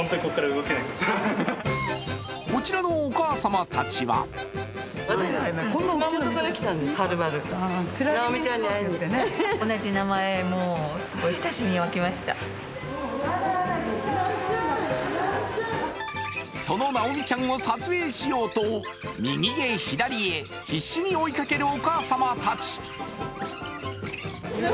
こちらのお母様たちはそのなおみちゃんを撮影しようと、右へ左へ必死に追いかけるお母様たち。